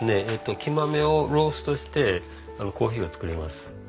生豆をローストしてコーヒーを作ります。